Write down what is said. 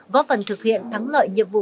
góp phần thực hiện thắng lợi nhiệm vụ